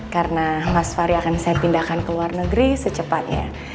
karena mas fahri akan saya pindahkan ke luar negeri secepatnya